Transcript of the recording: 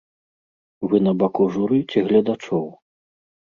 Вы на баку журы ці гледачоў?